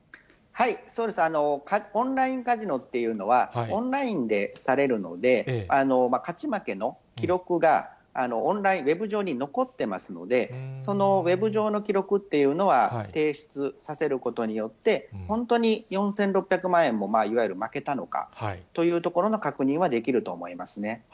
オンラインカジノっていうのは、オンラインでされるので、勝ち負けの記録がオンライン、ウェブ上に残ってますので、そのウェブ上の記録っていうのは提出させることによって、本当に４６００万円も、いわゆる負けたのかというところの確認はできると思いますね。